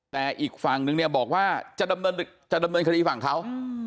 แต่อีกฝั่งนึงเนี่ยบอกว่าจะดำเนินคดีฝั่งเขา